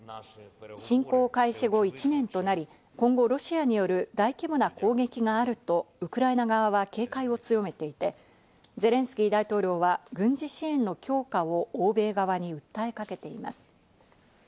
侵攻開始後１年となり、今後、ロシアによる大規模な攻撃があるとウクライナ側は警戒を強めていて、ゼレンスキー大統領は軍事支援の強化を欧米側に訴えかけています。